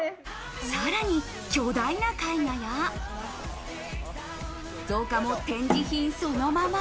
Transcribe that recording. さらに巨大な絵画や造花も展示品そのまま。